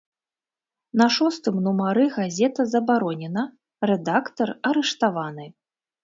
На шостым нумары газета забаронена, рэдактар арыштаваны.